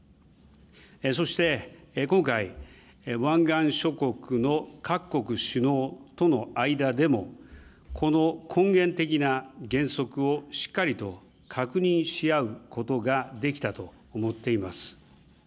そして今回、湾岸諸国の各国首脳との間でも、この根源的な原則をしっかりと確認し合うことができたと思っています。